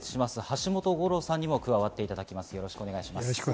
橋本五郎さんにも加わっていただきます。